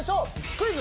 クイズ！